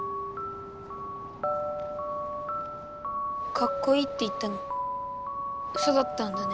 かっこいいって言ったのウソだったんだね。